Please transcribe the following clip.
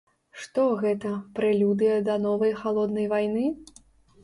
Што гэта, прэлюдыя да новай халоднай вайны?